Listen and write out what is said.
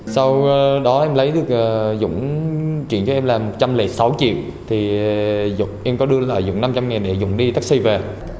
sau đó em lấy được dũng chuyển cho em là một trăm linh sáu triệu thì em có đưa lại dũng năm trăm linh nghìn để dũng đi taxi về